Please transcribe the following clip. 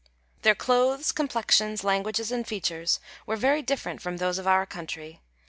Their clothes, complexions, language, and features, were very different from those of our country.